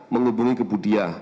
menghubungi ke budia